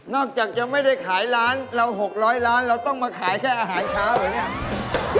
จากจะไม่ได้ขายร้านเรา๖๐๐ล้านเราต้องมาขายแค่อาหารเช้าแบบนี้